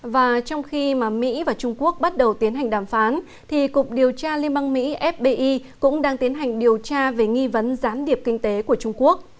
và trong khi mỹ và trung quốc bắt đầu tiến hành đàm phán cục điều tra liên bang mỹ fbi cũng đang tiến hành điều tra về nghi vấn gián điệp kinh tế của trung quốc